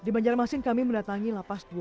di banjarmasin kami mendatangi lapas